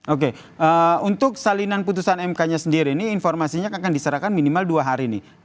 oke untuk salinan putusan mk nya sendiri ini informasinya akan diserahkan minimal dua hari nih